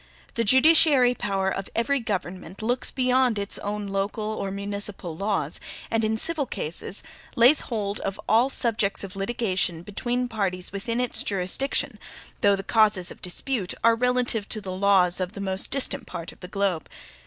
The judiciary power of every government looks beyond its own local or municipal laws, and in civil cases lays hold of all subjects of litigation between parties within its jurisdiction, though the causes of dispute are relative to the laws of the most distant part of the globe.